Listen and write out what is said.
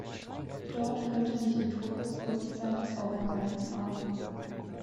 Dort könnte sich die Truppe kurzzeitig aufgehalten haben.